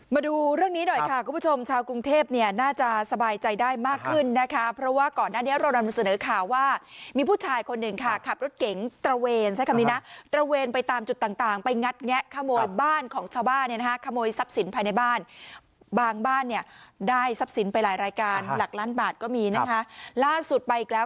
มาดูเรื่องนี้หน่อยค่ะคุณผู้ชมชาวกรุงเทพเนี่ยน่าจะสบายใจได้มากขึ้นนะคะเพราะว่าก่อนหน้านี้เรานำเสนอข่าวว่ามีผู้ชายคนหนึ่งค่ะขับรถเก๋งตระเวนใช้คำนี้นะตระเวนไปตามจุดต่างต่างไปงัดแงะขโมยบ้านของชาวบ้านเนี่ยนะคะขโมยทรัพย์สินภายในบ้านบางบ้านเนี่ยได้ทรัพย์สินไปหลายรายการหลักล้านบาทก็มีนะคะล่าสุดไปอีกแล้ว